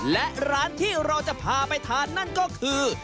และร้านที่เราจะพาไปทานนั่นก็คือ